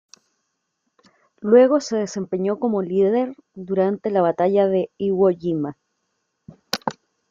Luego se desempeñó como líder durante la batalla de Iwo Jima.